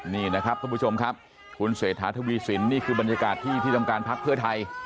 นี่นะครับท่านผู้ชมครับคุณเศรษฐาทวีสินนี่คือบรรยากาศที่ที่ทำการพักเพื่อไทย